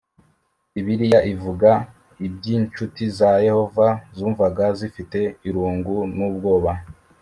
Bibiliya ivuga iby incuti za Yehova zumvaga zifite irungu n ubwoba